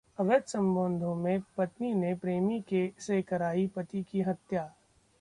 अवैध संबंधों में पत्नी ने प्रेमी से कराई पति की हत्या